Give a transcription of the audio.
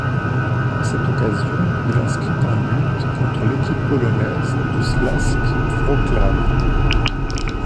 À cette occasion, il inscrit un but contre l'équipe polonaise du Śląsk Wrocław.